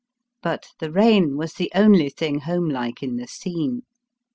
But the rain was the only thing homelike in the scene.